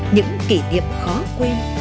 những kỷ niệm khó quên